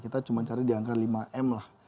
kita cuma cari di angka lima m lah